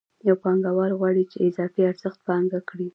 یو پانګوال غواړي چې اضافي ارزښت پانګه کړي